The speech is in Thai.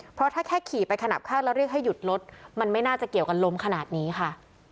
เพราะถ้าแค่ขี่ไปขนับข้างแล้วเรียกให้หยุดรถมันไม่น่าจะเกี่ยวกันล้มขนาดนี้ค่ะ